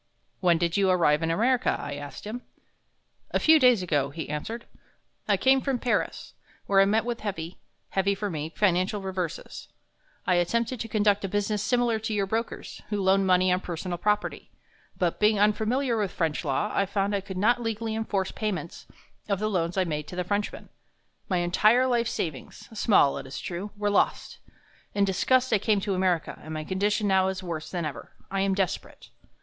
"When did you arrive in America?" I asked him. "A few days ago," he answered. "I came from Paris, where I met with heavy heavy for me financial reverses. I attempted to conduct a business similar to your brokers, who loan money on personal property, but being unfamiliar with French law, I found I could not legally enforce payments of the loans I made to the Frenchmen. My entire life savings small, it is true were lost. In disgust I came to America, and my condition now is worse than ever. I am desperate."